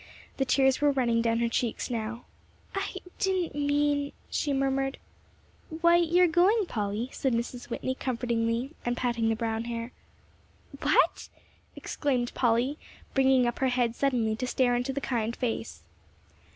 The tears were running down her cheeks now, "I didn't mean " she murmured. "Why, you are going, Polly," said Mrs. Whitney, comfortingly, and patting the brown hair. "What?" exclaimed Polly, bringing up her head suddenly to stare into the kind face.